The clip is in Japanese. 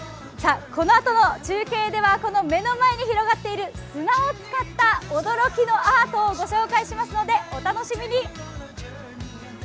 このあとの中継ではこの目の前に広がっている砂を使った驚きのアートをご紹介しますのでお楽しみに。